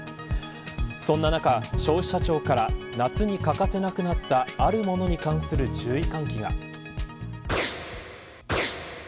そんな中、消費者庁から夏に欠かせなくなったあるものに関する注意喚起が。